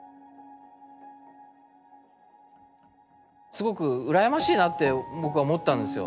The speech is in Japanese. すごく羨ましいなって僕は思ったんですよ。